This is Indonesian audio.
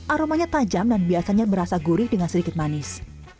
aromanya tajam dan biasanya berasa gurih dengan sedikit manis